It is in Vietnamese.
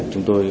và chúng tôi